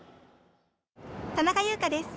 田中優蘭です。